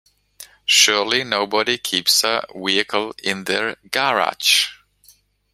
Surely nobody keeps a vehicle in their garage?